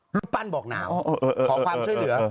รูปปั้นบอกหนาวขอความช่วยเหลือ